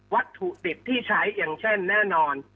วัตถุดิบที่ใช้อย่างเช่นแน่นอน